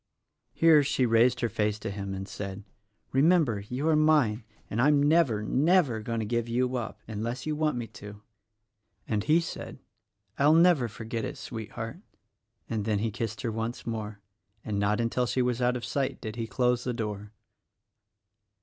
Here she raised her face to him and said, "Remember, you are mine; and I'm never, never, going to give you up — unless you want me to." And he said, "I will never forget it, Sweetheart," and then he kissed her once more — and not until she was out of sight did he close the door.